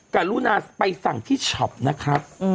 กรุณาไปสั่งที่ช็อปนะครับ